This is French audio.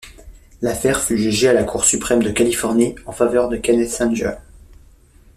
L'affaire fut jugée à la Cour Suprême de Californie en faveur de Kenneth Anger.